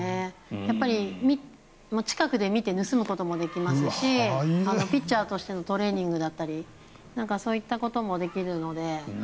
やっぱり近くで見て盗むこともできますしピッチャーとしてのトレーニングだったりそういうこともできるので。